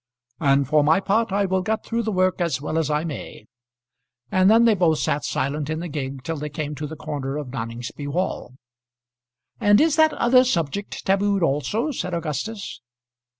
"And for my part, I will get through the work as well as I may." And then they both sat silent in the gig till they came to the corner of Noningsby wall. "And is that other subject tabooed also?" said Augustus.